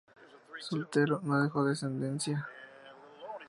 Soltero, no dejó descendencia.